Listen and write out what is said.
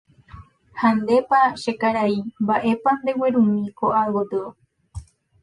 ha ndépa che karai mba'épa ndeguerumi ko'ágotyo.